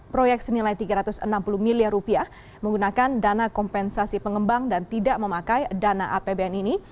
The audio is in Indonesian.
proyek senilai rp tiga ratus enam puluh miliar rupiah menggunakan dana kompensasi pengembang dan tidak memakai dana apbn ini